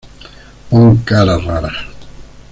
pon caras raras